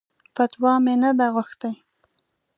فتوا مې نه ده غوښتې.